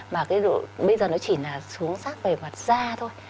mà cái bây giờ nó chỉ là xuống sắc về mặt da thôi